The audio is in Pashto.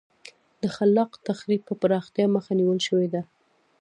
د خلاق تخریب د پراختیا مخه نیول شوې ده.